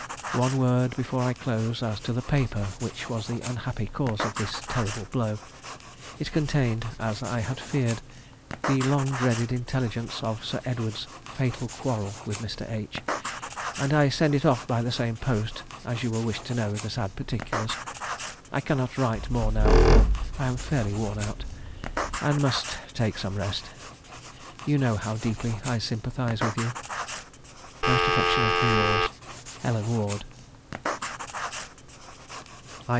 One word before I close as to the paper which was the unhappy cause of this terrible blow. It contained, as I had feared, the long dreaded intelligence of Sir Edward's fatal quarrel with Mr. H.; and I send it off by the same post, as you will wish to know the sad particulars. I cannot write more now, for I am fairly worn out, and must take some rest. You know how deeply I sympathise with you.... "Most affectionately yours, "HELEN WARD."